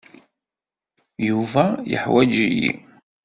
Yuba yeḥwaǧ-iyi.